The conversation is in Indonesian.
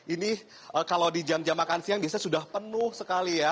ini kalau di jam jam makan siang biasanya sudah penuh sekali ya